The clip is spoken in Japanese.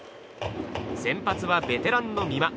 先発はベテランの美馬。